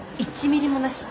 １ミリもなし？